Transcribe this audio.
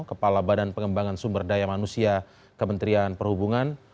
kepala badan pengembangan sumber daya manusia kementerian perhubungan